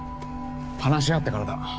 話し合ってからだ。